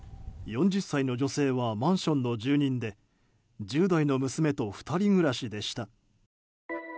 ４０歳の女性はマンションの住人で１０代の娘と２人暮らしでした。